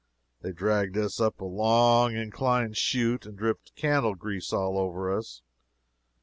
They dragged us up a long inclined chute, and dripped candle grease all over us.